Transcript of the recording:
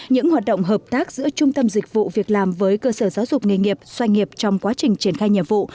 những hoạt động hợp tác giữa trung tâm dịch vụ việc làm với cơ sở giáo dục nghề nghiệp xoay nghiệp trong quá trình triển khai nhiệm vụ